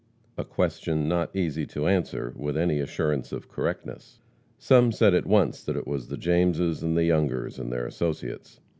A question not easy to answer with any assurance of correctness. Some said at once that it was the Jameses and the Youngers and their associates.